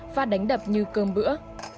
phát đánh đập như cơm bữa